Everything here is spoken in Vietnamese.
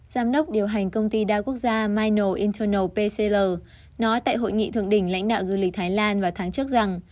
giám đốc điều hành công ty đa quốc gia mino internal pcr nói tại hội nghị thượng đỉnh lãnh đạo du lịch thái lan vào tháng trước rằng